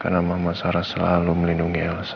karena mama sarah selalu melindungi elsa